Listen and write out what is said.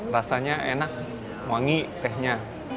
rasanya enak wangi tehnya